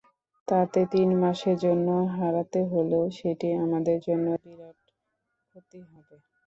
তাকে তিন মাসের জন্য হারাতে হলেও সেটি আমাদের জন্য বিরাট ক্ষতি হবে।